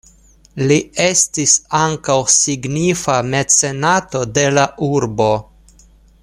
Li estis ankaŭ signifa mecenato de la urbo.